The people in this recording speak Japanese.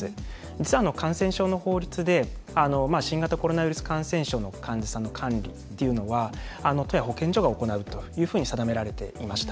実は感染症の法律で新型コロナウイルス感染症の患者さんの管理というのは都や保健所が行うというふうに定められていました。